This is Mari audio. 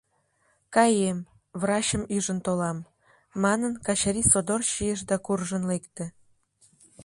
— Каем, врачым ӱжын толам, — манын, Качырий содор чийыш да куржын лекте.